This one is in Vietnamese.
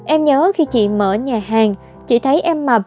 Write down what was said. em nhớ khi chị mở nhà hàng chị thấy em mập